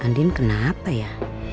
andien kenapa ya